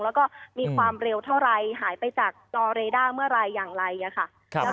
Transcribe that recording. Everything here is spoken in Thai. แล้วก็มีความเร็วเท่าไรหายไปจากจอเรด้าเมื่อไหร่อย่างไรค่ะ